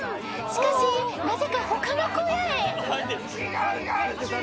しかし、なぜか他の小屋へ。